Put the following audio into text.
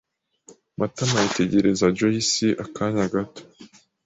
Matama yitegereza Joyci akanya gato.